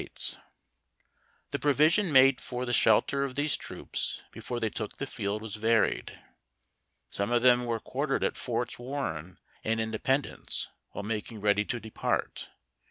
MUSTKHING IN RECRUITS. The provision made for the shelter of these troops before they took the field was varied. Some of them were quar tered at Forts Warren and Independence while making ready to depart.